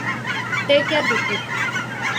Take care with it.